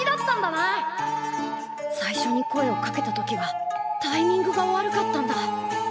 最初に声をかけた時はタイミングが悪かったんだ。